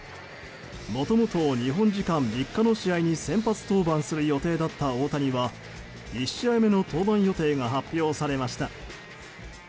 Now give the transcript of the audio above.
もともと日本時間３日の試合に先発登板する予定だった大谷は１試合目の登板予定が発表されました。